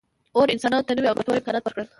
اور انسانانو ته نوي او ګټور امکانات ورکړل.